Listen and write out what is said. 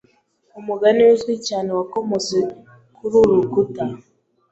Umugani uzwi cyane wakomotse kuri uru rukuta